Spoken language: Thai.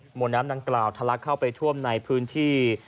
วนน้ำดังกล่าวทะลักเข้าไปท่วมในพื้นที่